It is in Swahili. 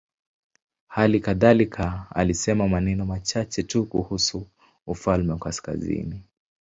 Hali kadhalika alisema maneno machache tu kuhusu ufalme wa kaskazini.